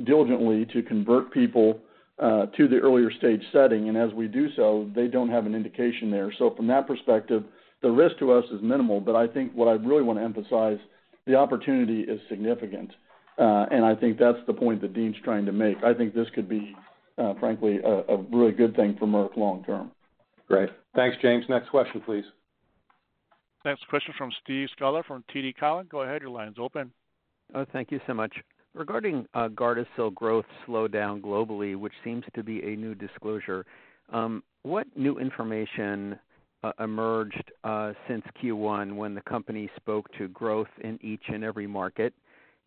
diligently to convert people to the earlier stage setting, and as we do so, they don't have an indication there. From that perspective, the risk to us is minimal, but I think what I really want to emphasize, the opportunity is significant, and I think that's the point that Dean's trying to make. I think this could be, frankly, a really good thing for Merck long-term. Great. Thanks, James. Next question, please. Next question is from Steve Scholar from TD Collin. Go ahead. Your line's open. Thank you so much. Regarding Gardasil growth slowdown globally, which seems to be a new disclosure, what new information emerged since Q1 when the company spoke to growth in each and every market?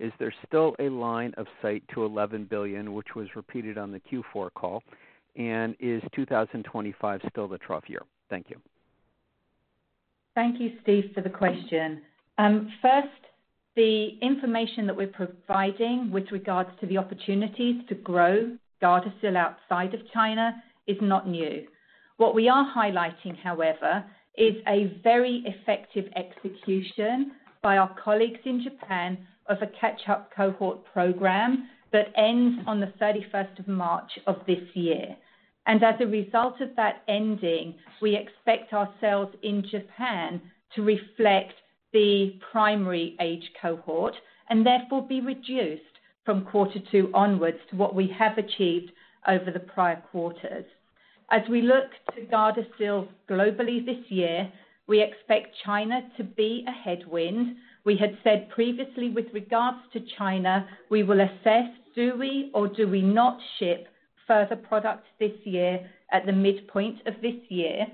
Is there still a line of sight to $11 billion, which was repeated on the Q4 call, and is 2025 still the trough year? Thank you. Thank you, Steve, for the question. First, the information that we're providing with regards to the opportunities to grow Gardasil outside of China is not new. What we are highlighting, however, is a very effective execution by our colleagues in Japan of a catch-up cohort program that ends on the 31st of March of this year. As a result of that ending, we expect ourselves in Japan to reflect the primary age cohort and therefore be reduced from quarter two onwards to what we have achieved over the prior quarters. As we look to Gardasil globally this year, we expect China to be a headwind. We had said previously with regards to China, we will assess, do we or do we not ship further products this year at the midpoint of this year,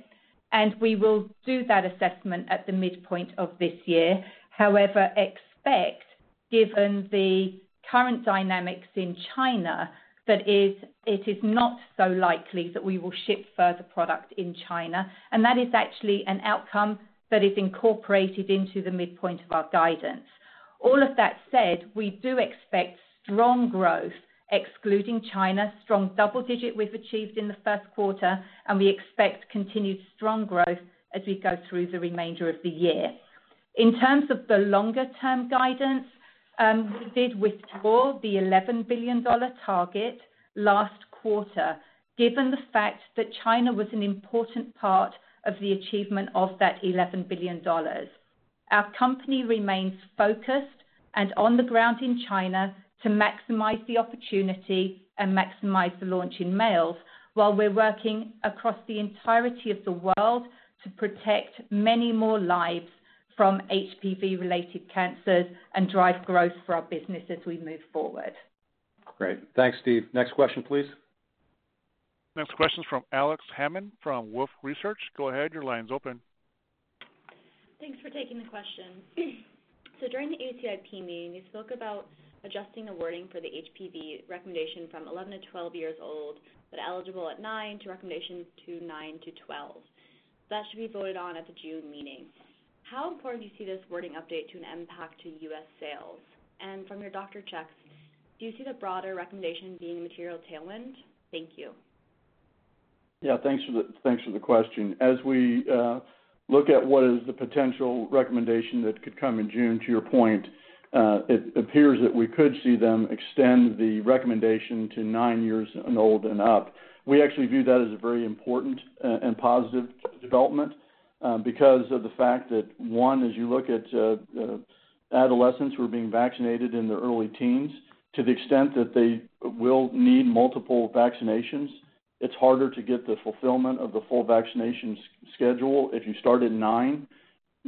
and we will do that assessment at the midpoint of this year. However, expect, given the current dynamics in China, that it is not so likely that we will ship further product in China, and that is actually an outcome that is incorporated into the midpoint of our guidance. All of that said, we do expect strong growth, excluding China, strong double-digit we've achieved in the first quarter, and we expect continued strong growth as we go through the remainder of the year. In terms of the longer-term guidance, we did withdraw the $11 billion target last quarter, given the fact that China was an important part of the achievement of that $11 billion. Our company remains focused and on the ground in China to maximize the opportunity and maximize the launch in males, while we're working across the entirety of the world to protect many more lives from HPV-related cancers and drive growth for our business as we move forward. Great. Thanks, Steve. Next question, please. Next question is from Alex Hammond from Wolf Research. Go ahead. Your line's open. Thanks for taking the question. During the ACIP meeting, you spoke about adjusting the wording for the HPV recommendation from 11 to 12 years old, but eligible at 9 to recommendation to 9 to 12. That should be voted on at the June meeting. How important do you see this wording update to impact U.S. sales? From your doctor checks, do you see the broader recommendation being a material tailwind? Thank you. Yeah. Thanks for the question. As we look at what is the potential recommendation that could come in June, to your point, it appears that we could see them extend the recommendation to 9 years and old and up. We actually view that as a very important and positive development because of the fact that, one, as you look at adolescents who are being vaccinated in their early teens, to the extent that they will need multiple vaccinations, it's harder to get the fulfillment of the full vaccination schedule. If you start at 9,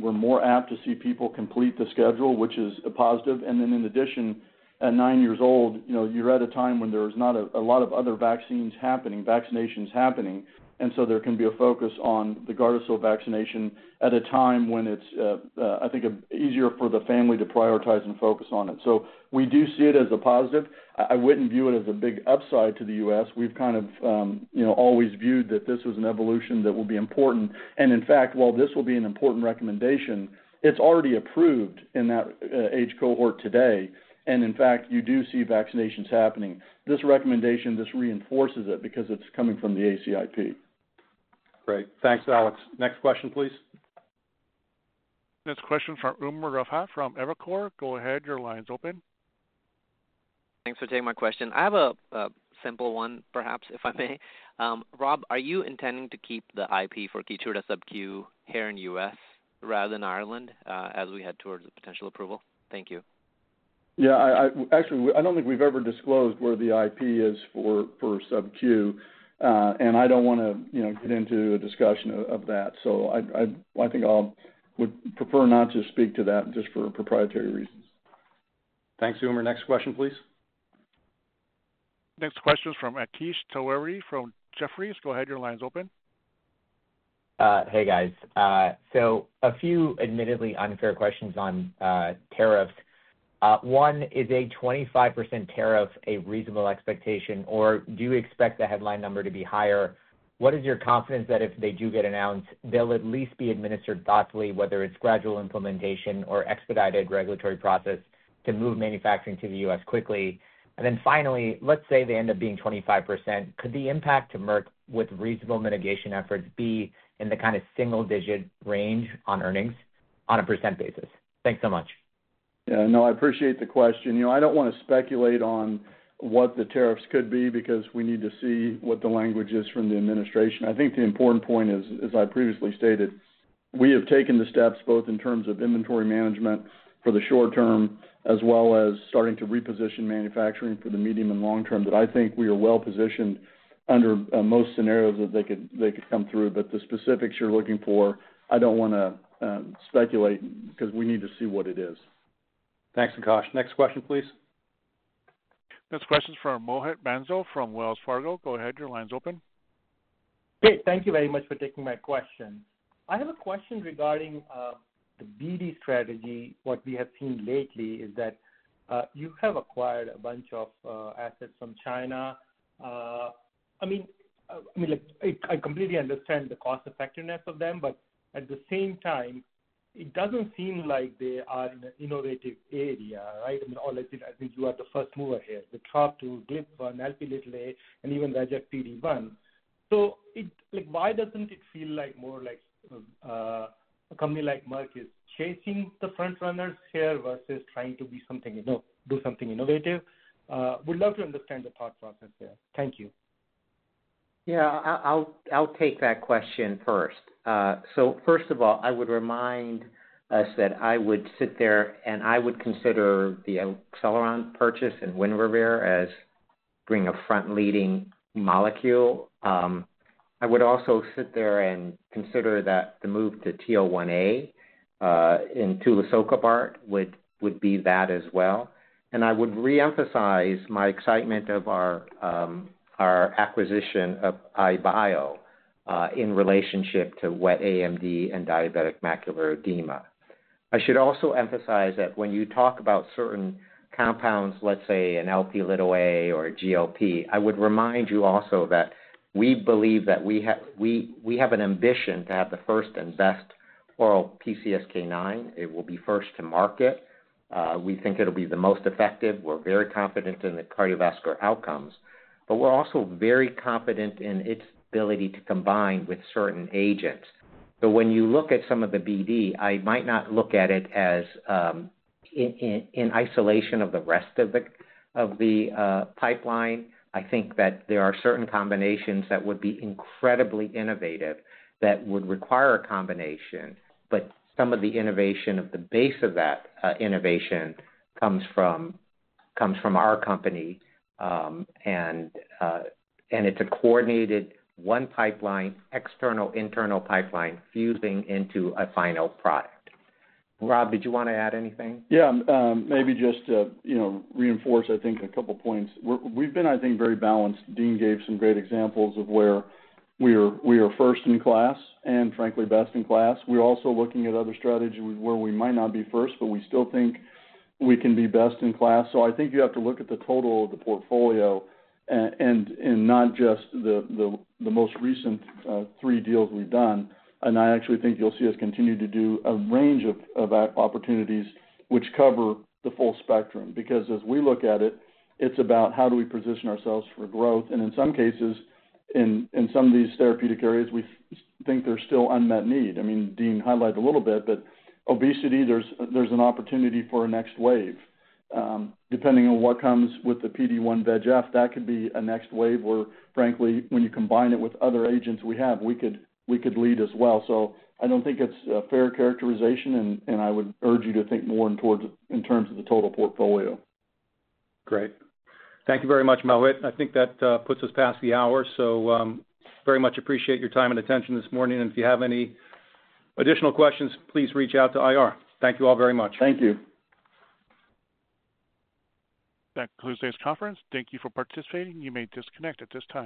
we're more apt to see people complete the schedule, which is a positive. In addition, at 9 years old, you're at a time when there is not a lot of other vaccines happening, vaccinations happening, and so there can be a focus on the Gardasil vaccination at a time when it's, I think, easier for the family to prioritize and focus on it. We do see it as a positive. I wouldn't view it as a big upside to the U.S. We've kind of always viewed that this was an evolution that will be important. In fact, while this will be an important recommendation, it's already approved in that age cohort today, and in fact, you do see vaccinations happening. This recommendation reinforces it because it's coming from the ACIP. Great. Thanks, Alex. Next question, please. Next question is from Umar Rohan from Evercore. Go ahead. Your line's open. Thanks for taking my question. I have a simple one, perhaps, if I may. Rob, are you intending to keep the IP for Keytruda subQ here in the U.S. rather than Ireland as we head towards potential approval? Thank you. Yeah. Actually, I don't think we've ever disclosed where the IP is for subQ, and I don't want to get into a discussion of that. I think I would prefer not to speak to that just for proprietary reasons. Thanks, Umar. Next question, please. Next question is from Akish Toweri from Jefferies. Go ahead. Your line's open. Hey, guys. A few admittedly unfair questions on tariffs. One, is a 25% tariff a reasonable expectation, or do you expect the headline number to be higher? What is your confidence that if they do get announced, they'll at least be administered thoughtfully, whether it's gradual implementation or expedited regulatory process to move manufacturing to the U.S. quickly? Finally, let's say they end up being 25%, could the impact to Merck with reasonable mitigation efforts be in the kind of single-digit range on earnings on a percent basis? Thanks so much. Yeah. No, I appreciate the question. I don't want to speculate on what the tariffs could be because we need to see what the language is from the administration. I think the important point is, as I previously stated, we have taken the steps both in terms of inventory management for the short term as well as starting to reposition manufacturing for the medium and long term that I think we are well positioned under most scenarios that they could come through, but the specifics you're looking for, I don't want to speculate because we need to see what it is. Thanks, Nikaush. Next question, please. Next question is from Mohit Banzil from Wells Fargo. Go ahead. Your line's open. Great. Thank you very much for taking my question. I have a question regarding the BD strategy. What we have seen lately is that you have acquired a bunch of assets from China. I mean, I completely understand the cost-effectiveness of them, but at the same time, it doesn't seem like they are in an innovative area, right? I mean, I think you are the first mover here, the top to Gleep, NLP Little, and even VEGF PD-1. Why doesn't it feel more like a company like Merck is chasing the frontrunners here versus trying to do something innovative? Would love to understand the thought process there. Thank you. Yeah. I'll take that question first. First of all, I would remind us that I would sit there and I would consider the Acceleron purchase and Winrevair as being a front-leading molecule. I would also sit there and consider that the move to T01A in Tulah-Sochabart would be that as well. I would re-emphasize my excitement of our acquisition of IBIO in relationship to wet AMD and diabetic macular edema. I should also emphasize that when you talk about certain compounds, let's say NLP Little, A, or GLP, I would remind you also that we believe that we have an ambition to have the first and best oral PCSK9. It will be first to market. We think it'll be the most effective. We're very confident in the cardiovascular outcomes, but we're also very confident in its ability to combine with certain agents. When you look at some of the BD, I might not look at it in isolation of the rest of the pipeline. I think that there are certain combinations that would be incredibly innovative that would require a combination, but some of the innovation of the base of that innovation comes from our company, and it's a coordinated one pipeline, external, internal pipeline fusing into a final product. Rob, did you want to add anything? Yeah. Maybe just to reinforce, I think, a couple of points. We've been, I think, very balanced. Dean gave some great examples of where we are first in class and, frankly, best in class. We're also looking at other strategies where we might not be first, but we still think we can be best in class. I think you have to look at the total of the portfolio and not just the most recent three deals we've done. I actually think you'll see us continue to do a range of opportunities which cover the full spectrum because as we look at it, it's about how do we position ourselves for growth. In some cases, in some of these therapeutic areas, we think there's still unmet need. I mean, Dean highlighted a little bit, but obesity, there's an opportunity for a next wave. Depending on what comes with the PD-1 VEGF, that could be a next wave where, frankly, when you combine it with other agents we have, we could lead as well. I do not think it is a fair characterization, and I would urge you to think more in terms of the total portfolio. Great. Thank you very much, Mohit. I think that puts us past the hour. I very much appreciate your time and attention this morning. If you have any additional questions, please reach out to IR. Thank you all very much. Thank you. That concludes today's conference. Thank you for participating. You may disconnect at this time.